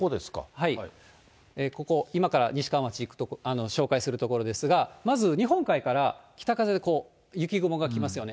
はい、ここ、今から西川町、紹介する所ですが、まず日本海から北風でこう雪雲が来ますよね。